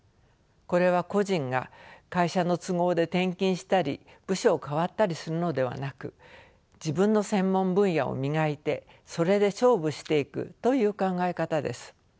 これは個人が会社の都合で転勤したり部署を替わったりするのではなく自分の専門分野を磨いてそれで勝負していくという考え方です。